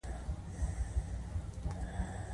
دا کتاب په څوارلس سوه دېرش قمري کال کې چاپ شوی دی